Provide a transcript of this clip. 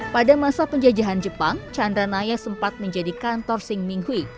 pada masa penjajahan jepang chandra naya sempat menjadi kantor sing minghui